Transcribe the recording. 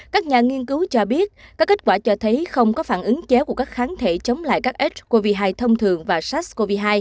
các nhà nghiên cứu cho biết các kết quả cho thấy không có phản ứng chéo của các kháng thể chống lại các hcov hai thông thường và sars cov hai